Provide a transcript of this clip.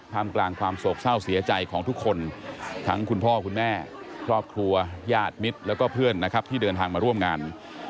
มกลางความโศกเศร้าเสียใจของทุกคนทั้งคุณพ่อคุณแม่ครอบครัวญาติมิตรแล้วก็เพื่อนนะครับที่เดินทางมาร่วมงาน